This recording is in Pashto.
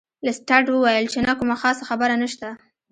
لیسټرډ وویل چې نه کومه خاصه خبره نشته.